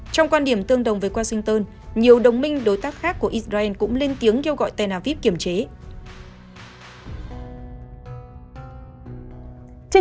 trong quan điểm tương đồng với washington nhiều đồng minh đối tác khác của israel cũng lên tiếng kêu gọi tel aviv kiểm chế